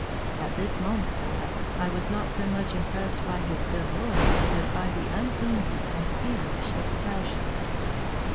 At this moment, however, I was not so much impressed by his good looks, as by his uneasy and feverish expression.